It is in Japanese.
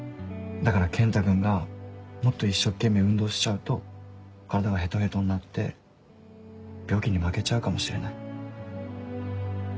だから健太くんがもっと一生懸命運動しちゃうと体がヘトヘトになって病気に負けちゃうかもしれない。